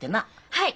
はい。